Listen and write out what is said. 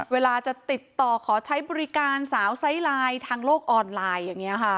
เวลาจะติดต่อขอใช้บริการสาวไซส์ไลน์ทางโลกออนไลน์อย่างนี้ค่ะ